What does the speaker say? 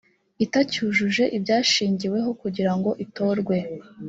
itacyujuje ibyashingiweho kugira ngo itorwe